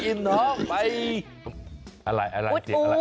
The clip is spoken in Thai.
อิ่มท้องไปอิ่มท้องไป